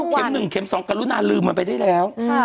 ว่าเข็ม๑เข็ม๒ก็รู้นานลืมมันไปได้แล้ว